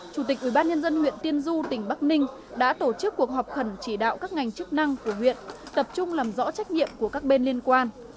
chủ tịch ubnd huyện tiên du tỉnh bắc ninh đã tổ chức cuộc họp khẩn chỉ đạo các ngành chức năng của huyện tập trung làm rõ trách nhiệm của các bên liên quan